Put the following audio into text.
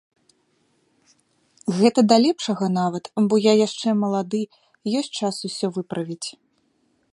Гэта да лепшага нават, бо я яшчэ малады, ёсць час усё выправіць.